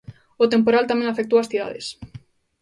O temporal tamén afectou ás cidades.